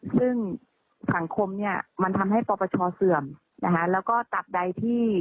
ซึ่งสังคมมันทำให้ปรบัชชาติเสื่อมแล้วก็ตัดใดที่